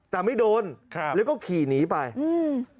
แต่ไม่โดนครับแล้วก็ขี่หนีไปอืม